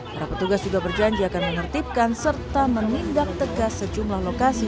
para petugas juga berjanji akan menertibkan serta menindak tegas sejumlah lokasi